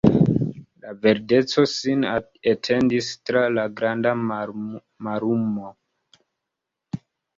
Ia verdeco sin etendis tra la granda mallumo.